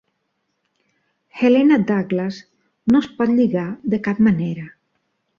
Helena Douglas no és pot lligar de cap manera.